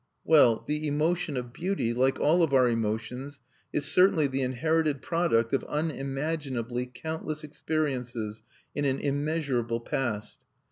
Well, the emotion of beauty, like all of our emotions, is certainly the inherited product of unimaginably countless experiences in an immeasurable past.